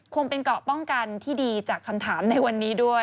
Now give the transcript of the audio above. คงเป็นเกาะป้องกันที่ดีจากคำถามในวันนี้ด้วย